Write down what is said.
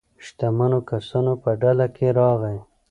شتمنو کسانو په ډله کې راغی.